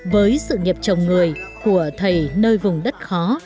với sự nghiệp chồng người của thầy nơi vùng đất khó